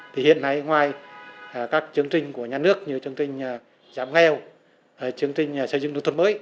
thì hiện nay ngoài các chương trình của nhà nước như chương trình giảm nghèo chương trình xây dựng nông thuận mới